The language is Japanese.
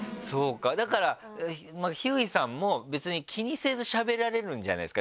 だからひゅーいさんも別に気にせずしゃべられるんじゃないですか？